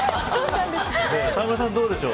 沢村さん、どうでしょう。